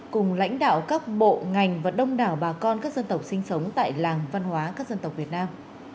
cùng lãnh đạo các bộ ngành và đông đảo bà con các dân tộc sinh sống tại làng văn hóa các dân tộc việt nam